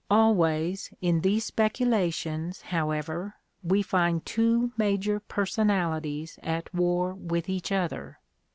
Always, in these speculations, however, we find two major per sonalities at war with each other.